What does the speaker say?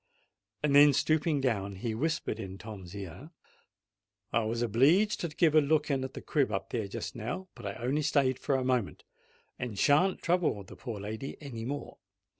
Then, stooping down, he whispered in Tom's ear, "I was obleeged to give a look in at the crib up there just now; but I only stayed a moment, and shan't trouble the poor lady any more.